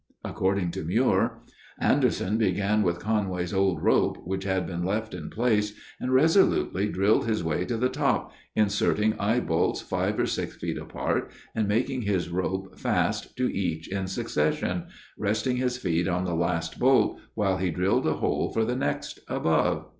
According to Muir: Anderson began with Conway's old rope, which had been left in place, and resolutely drilled his way to the top, inserting eye bolts five or six feet apart, and making his rope fast to each in succession, resting his feet on the last bolt while he drilled a hole for the next above.